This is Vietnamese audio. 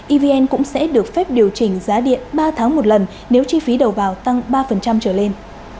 evn cũng sẽ được phép điều chỉnh giá điện ba tháng một lần nếu chi phí đầu vào tăng ba trở lên